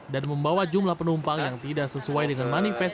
dan membawa jumlah penumpang yang tidak sesuai dengan manifest